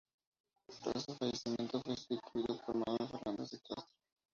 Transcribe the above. Tras su fallecimiento fue sustituido por Manuel Fernández de Castro.